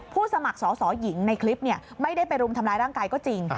สมัครสอสอหญิงในคลิปไม่ได้ไปรุมทำร้ายร่างกายก็จริง